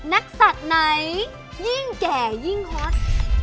นักศัตริย์ไหนยิ่งแก่ยิ่งฮอต